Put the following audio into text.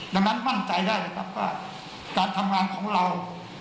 ดังนั้นมั่นใจได้เลยครับว่าการทำงานของเรา